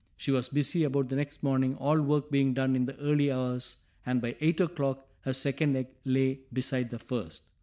She was busy about the next morning, all work being done in the early hours, and by eight o'clock a second egg lay beside the first.